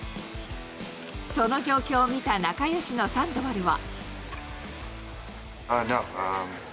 その状況を見た仲よしのサンドバルは。